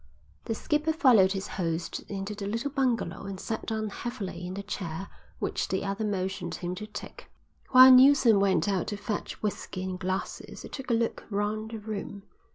The skipper followed his host into the little bungalow and sat down heavily in the chair which the other motioned him to take. While Neilson went out to fetch whisky and glasses he took a look round the room.